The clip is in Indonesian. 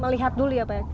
melihat dulu ya pak ya